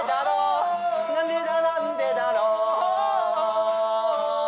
どうも！